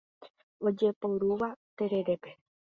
Ojeporúva tererépe.